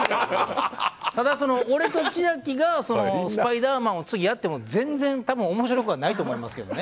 俺と千秋が「スパイダーマン」を次やっても全然面白くはないと思いますけどね。